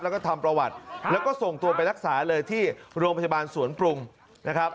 แล้วก็ทำประวัติแล้วก็ส่งตัวไปรักษาเลยที่โรงพยาบาลสวนปรุงนะครับ